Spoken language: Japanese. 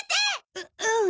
ううん。